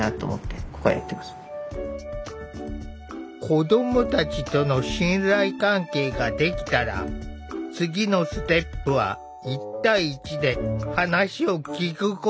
子どもたちとの信頼関係ができたら次のステップは１対１で話を聴くことだ。